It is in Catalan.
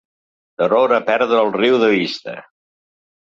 Terror a perdre el riu de vista.